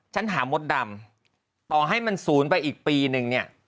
ฉันถามวัดดำตอว่าให้สูญไปอีกปีนึงเนี่ย